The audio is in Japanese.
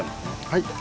はい。